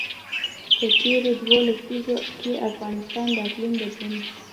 په تېرو دوو لسیزو کې افغانستان د اقلیم بدلون.